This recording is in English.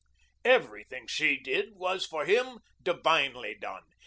Everything she did was for him divinely done.